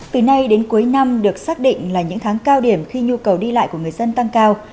từ nay đến cuối năm được xác định là những tháng cao điểm khi nhu cầu đi lại của người dân tăng cao